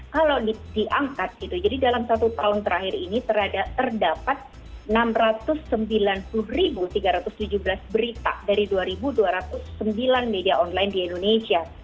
kalau diangkat gitu jadi dalam satu tahun terakhir ini terdapat enam ratus sembilan puluh tiga ratus tujuh belas berita dari dua dua ratus sembilan media online di indonesia